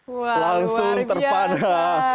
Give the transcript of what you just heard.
wah luar biasa